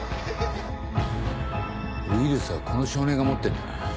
ウイルスはこの少年が持ってんだな。